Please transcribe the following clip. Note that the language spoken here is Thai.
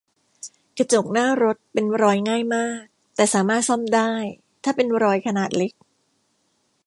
กระจกหน้ารถเป็นรอยง่ายมาก แต่สามารถซ่อมได้ ถ้าเป็นรอยขนาดเล็ก